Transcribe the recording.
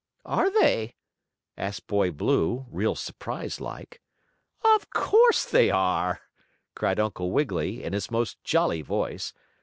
"Are they?" asked Boy Blue, real surprised like. "Of course, they are!" cried Uncle Wiggily, in his most jolly voice.